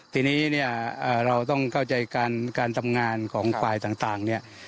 ทีนี้เนี่ยเราต้องเข้าใจการทำงานของฝ่ายต่างเนี่ย